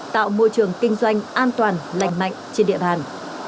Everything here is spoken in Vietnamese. tạo môi trường kinh doanh an toàn lành mạnh trên địa bàn